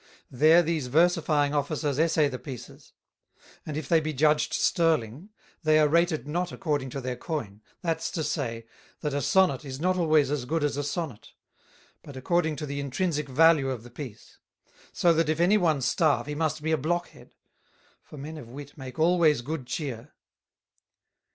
There these versifying Officers essay the pieces; and if they be judged Sterling, they are rated not according to their Coyn; that's to say, That a Sonnet is not always as good as a Sonnet; but according to the intrinsick value of the piece; so that if any one Starve, he must be a Blockhead: For Men of Wit make always good Chear."